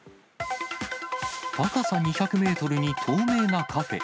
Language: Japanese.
高さ２００メートルに透明なカフェ。